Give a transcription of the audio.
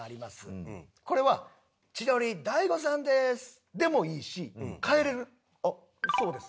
これは「千鳥大悟さんです」でもいいし変えられるそうです